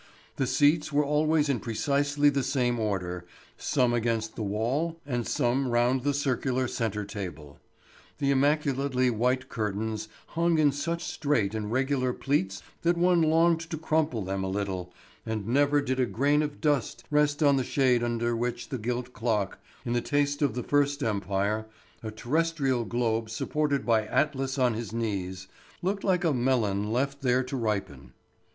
The seats were always in precisely the same order, some against the wall and some round the circular centre table. The immaculately white curtains hung in such straight and regular pleats that one longed to crumple them a little; and never did a grain of dust rest on the shade under which the gilt clock, in the taste of the first empire—a terrestrial globe supported by Atlas on his knees—looked like a melon left there to ripen.